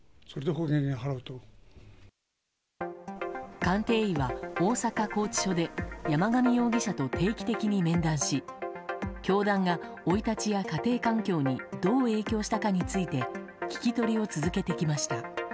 鑑定医は大阪拘置所で山上容疑者と定期的に面談し教団が生い立ちや家庭環境にどう影響したかについて聞き取りを続けていました。